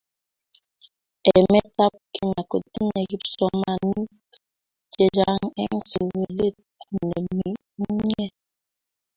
emet ab kenya kotinye kipsomanink chechang en sukulit nemii ingweng